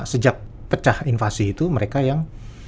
sejak pecah invasi itu mereka yang